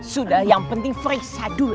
sudah yang penting periksa dulu